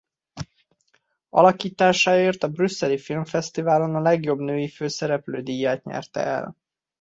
Alakításáért a brüsszeli filmfesztiválon a legjobb női főszereplő díját nyerte el.